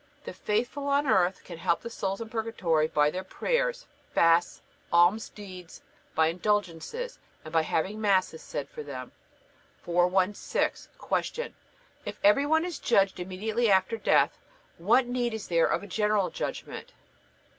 The faithful on earth can help the souls in Purgatory by their prayers, fasts, alms deeds; by indulgences, and by having Masses said for them. 416. Q. If every one is judged immediately after death, what need is there of a General Judgment?